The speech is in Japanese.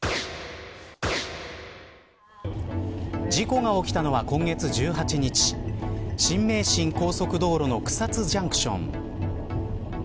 事故が起きたのは今月１８日新名神高速道路の草津ジャンクション。